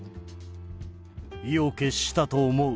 意を決したと思う。